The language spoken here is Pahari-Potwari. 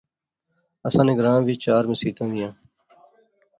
اساں نے گراں وچ چار مسیتاں زیاں